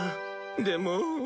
でも。